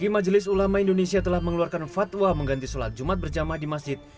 meski majelis ulama indonesia telah mengeluarkan fatwa mengganti solat jumat berjamah di masjid